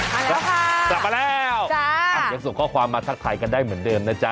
มาแล้วค่ะจัดมาแล้วอยากส่งข้อความมาทักทายกันได้เหมือนเดิมนะจ๊ะ